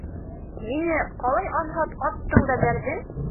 Мине ҡалай анһат аттың да бәрҙең!